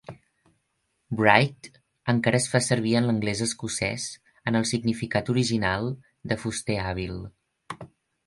"Wright" encara es fa sevir en l'anglès escocès en el significat original de "fuster hàbil".